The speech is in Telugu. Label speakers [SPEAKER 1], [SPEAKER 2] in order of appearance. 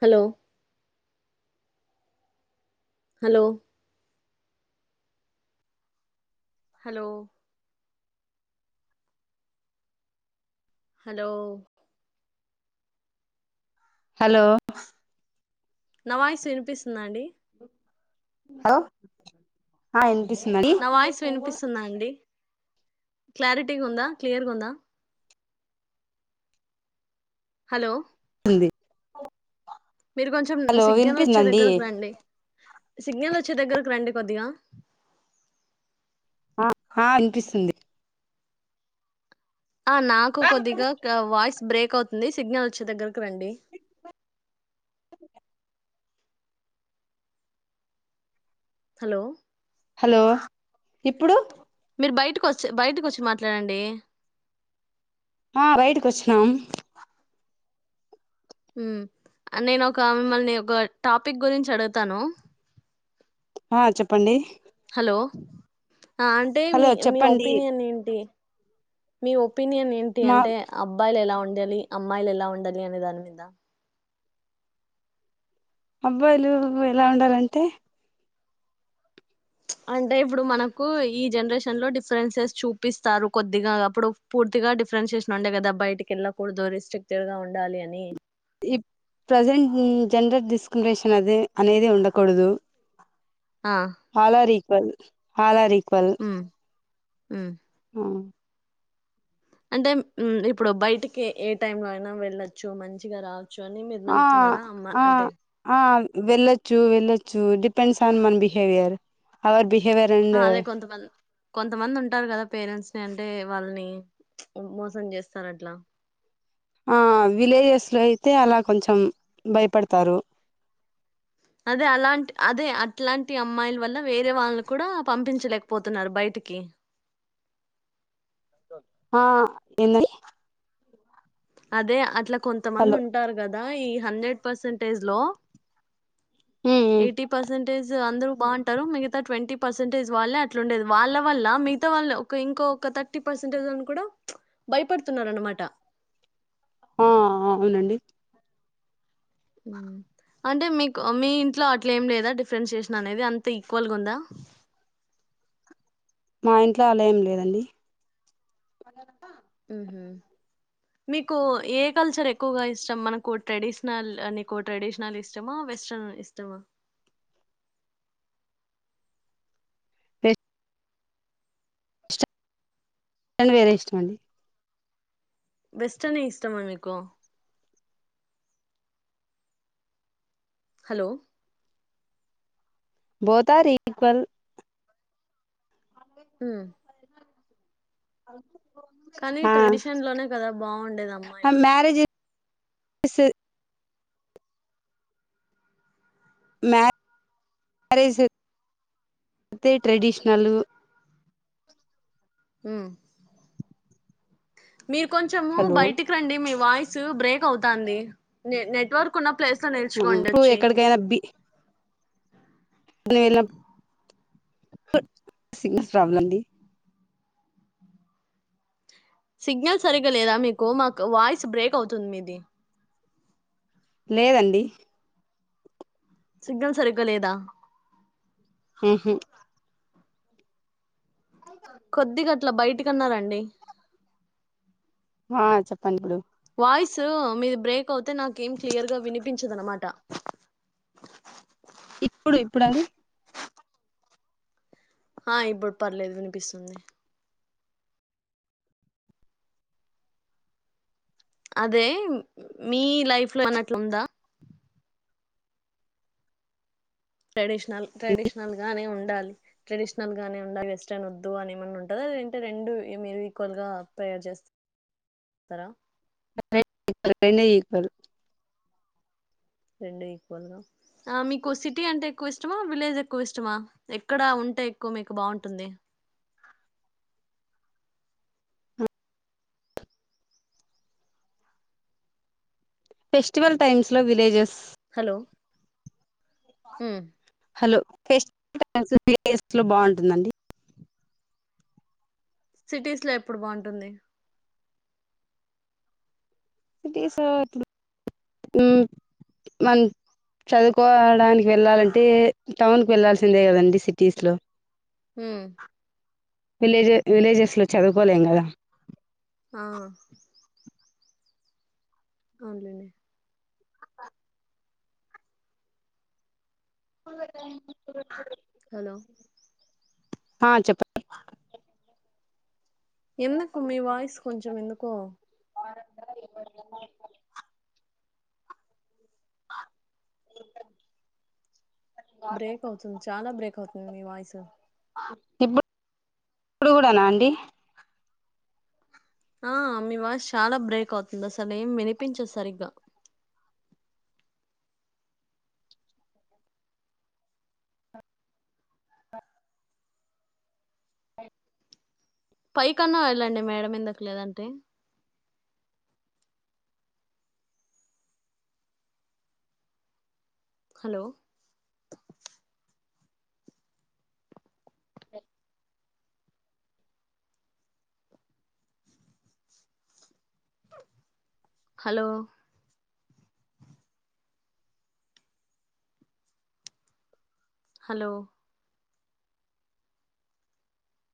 [SPEAKER 1] hello hello hello hello
[SPEAKER 2] hello
[SPEAKER 1] నా వాయిస్ వినిపిస్తుందా అండి
[SPEAKER 2] హలో అ వినిపిస్
[SPEAKER 1] నా వాయిస్ వినిపిస్తుందా అండి క్లారిటీగా ఉందా క్లియర్గా ఉందా హలో
[SPEAKER 2] మ్
[SPEAKER 1] మీరు కొంచెం సిగ్నల్ వచ్చే దగ్గరకు రండి సిగ్నల్ వచ్చే దగ్గరకు రండి కొద్దిగా
[SPEAKER 2] ఆ ఆ వినిపిస్తుంది
[SPEAKER 1] ఆ నాకు కొద్దిగా క-వాయిస్ బ్రేక్ అవుతుంది సిగ్నల్ వచ్చే దగ్గరకు రండి హలో
[SPEAKER 2] హలో ఇప్పుడు
[SPEAKER 1] మీరు బయటకు వచ్ బయటకి వచ్చి మాట్లాడండి
[SPEAKER 2] ఆ బయటకి వచ్చినాం
[SPEAKER 1] ఉమ్ నేను ఒక మిమ్మల్ని ఒక టాపిక్ గురించి అడుగుతాను
[SPEAKER 2] ఆ చెప్పండి
[SPEAKER 1] హలో ఆ అంటే మీ
[SPEAKER 2] హలో
[SPEAKER 1] మీ
[SPEAKER 2] చెప్పండి
[SPEAKER 1] ఒపీనియన్ ఏంటి మీ ఒపీ ఒపీనియన్ ఏంటి
[SPEAKER 2] మా
[SPEAKER 1] అంటే అబ్బాయిలు ఎలా ఉండాలి అమ్మాయిలు ఎలా ఉండాలి అనే దాని మీద
[SPEAKER 2] అబ్బాయిలు ఎలా ఉండాలంటే
[SPEAKER 1] అంటే ఇప్పుడు మనకు ఈ జనరేషన్ లో డిఫరెన్సెస్ చూపిస్తారు కొద్దిగా అప్పుడు పూర్తిగా డిఫరెన్షయేషన్ ఉండే కదా బయటికి వెళ్ళకూడదు రిస్ట్రిక్టెడ్గా ఉండాలి అని
[SPEAKER 2] ఇప్ ప్రజెంట్ జెండర్ డిస్క్రిమినేషన్ అదే అనేది ఉండకూడదు
[SPEAKER 1] ఆ
[SPEAKER 2] all are equal all are equal
[SPEAKER 1] ఉమ్ ఉమ్ అంటే మ్ ఇప్పుడు బయటికి ఏ టైమ్ లో అయినా వెళ్ళొచ్చు మంచిగా రా చ్చు అని మీరు
[SPEAKER 2] ఆ
[SPEAKER 1] నమ్ముతున్నారా అమ్మ
[SPEAKER 2] ఆ
[SPEAKER 1] అంటే
[SPEAKER 2] ఆ వెళ్ళొచ్చు వెళ్ళొచ్చు డిపెండ్స్ ఆన్ మన్ బిహేవియర్ అవర్ బిహే
[SPEAKER 1] అదే కొంతమంది కొంతమంది ఉంటారు కదా పేరెంట్స్ ని అంటే వాళ్ళని మోసం చేస్తారు అట్లా
[SPEAKER 2] ఆ విలేజెస్ లో అయితే అలా కొంచెం భయపడతారు
[SPEAKER 1] అదే అలాంటి అదే అట్లాంటి అమ్మాయిల వల్ల వేరే వాళ్ళు కూడా పంపించలేకపోతున్నారు బయటికి
[SPEAKER 2] ఆ ఏంది అండి
[SPEAKER 1] అదే అట్లా కొంతమంది
[SPEAKER 2] హలో
[SPEAKER 1] ఉంటారు కదా ఈ హండ్రెడ్ పర్సంటేజ్ లో
[SPEAKER 2] ఉమ్ ఉమ్
[SPEAKER 1] ఎయిటీ పర్సెంటేజ్ అందరు బాగుంటారు మిగతా ట్వంటీ పర్సెంటేజ్ వాళ్ళే అట్లుండేది వాళ్ళ వల్ల మిగతా వాళ్లు ఒక ఇంకొక థర్టీ పర్సెంటేజ్ అని కూడా భయపడుతున్నరు అన్నమాట
[SPEAKER 2] ఆ అవునండి
[SPEAKER 1] హు అంటే మీకు మీ ఇంట్లో అట్లా ఏం లేదా డిఫరెంట్ స్టేషన్ అనేది అంత ఈక్వల్ గా ఉందా
[SPEAKER 2] మా ఇంట్లో ఆల ఏమో లేదండి
[SPEAKER 1] ఉహు మీకు ఏ కల్చర్ ఎక్కువగా ఇష్టం మనకు ట్రెడిషనల్ నీకు ట్రెడిషనల్ ఇష్ట మా వెస్టన్ ఇష్టమా
[SPEAKER 2] టెన్ వేరే ఇష్టంమండి
[SPEAKER 1] వెస్ట్నే ఇష్టమా మీకు హలో
[SPEAKER 2] బోత్ ఆర్ ఈక్వల్
[SPEAKER 1] హు
[SPEAKER 2] అ [inaudible]
[SPEAKER 1] కానీ ట్రెడిషన్ లోనే కదా బాగుండేది అమ్మాయిలు
[SPEAKER 2] [inaudible] మ్యారేజ్ అయితే ట్రెడిషనల్
[SPEAKER 1] హు మీరు కొంచెము
[SPEAKER 2] హలో
[SPEAKER 1] బయటికి రండి మీ వాయిస్ బ్రేక్ అవుతంది నే నెట్వర్క్ ఉన్న ప్లేస్ లో నిల్చుకోండి
[SPEAKER 2] ఇప్పుడు
[SPEAKER 1] వచ్చి
[SPEAKER 2] లే ల [inaudible] సిగ్నల్ ప్రాబ్లం అండి
[SPEAKER 1] సిగ్నల్ సరిగ్గా లేదా మీకు మాకు వాయిస్ బ్రేక్ అవుతుంది మీది
[SPEAKER 2] లేదండి
[SPEAKER 1] సిగ్నల్ సరిగ్గాలేదా
[SPEAKER 2] ఉహు
[SPEAKER 1] కొద్ది గ అట్లా బయటికిన్నారండి
[SPEAKER 2] ఆ చెప్పండి ఇప్పుడు
[SPEAKER 1] వాయిస్ మీది బ్రేక్ అవుతే నాక ఏం క్లియర్గా వినిపించదు అన్నమాట
[SPEAKER 2] ఇప్పుడు ఇప్పుడండి
[SPEAKER 1] ఆ ఇప్పుడు పర్లేదు వినిపిస్తుంది అదే మీ లైఫ్ లో ఏమన్నా అట్లుందా ట్రెడిషనల్ ట్రెడిషనల్ గానే ఉండాలి ట్రెడిషనల్ గానే ఉండాలి న్ వద్దు అని ఏమన్నా ఉంటదాలేదు అంటే రెండు మీరు ఈక్వల్ గా ప్రేయర్ చేస్తార స్తార
[SPEAKER 2] [inaudible] రెండు ఈక్వల్
[SPEAKER 1] రెండు ఈక్వల్ గా మీకు సిటీ అంటే ఎక్కువ ఇష్టమా విలేజ్ ఎక్కువ ఇష్టమా ఎక్కడ ఉ అంటే ఎక్కువ మీకు బాగుంటుంది
[SPEAKER 2] ఫెస్టివల్ టైమ్స్ లో విలేజెస్
[SPEAKER 1] హలో హు
[SPEAKER 2] ఫెస్టివల్స్ లు విలేజీలో బాగుంటుందండి
[SPEAKER 1] సిటీస్ లో ఎప్పుడు బాగుంటుంది
[SPEAKER 2] సిటీస్ అట్లా మాల్ చదువుకోవడానికి వెళ్ళాలంటే టౌన్కి వెళ్ళాల్సిందే కదండి సిటీస్లో
[SPEAKER 1] ఉమ్
[SPEAKER 2] విలేజె విలేజెస్ లో చదువుకోలేం కదా
[SPEAKER 1] ఆ అవునులే హలో
[SPEAKER 2] ఆ చెప్ప
[SPEAKER 1] నాకు మీ వయిస్ కొంచం ఎందుకో బ్రేక్ అవుతుంది చాలా బ్రేక్ అవుతుంది మీ వాయిస్
[SPEAKER 2] ఇప్పుడు ఇప్పుడు కూడానా అండి
[SPEAKER 1] ఆ మీ వాయిస్ చాలా బ్రేక్ అవుతుంది అసలు ఏం వినిపించదు సరిగ్గా పై కన్నా వెళ్ళండి మేడ మీదకు లేదంటే హలో
[SPEAKER 2] అ
[SPEAKER 1] హలో హలో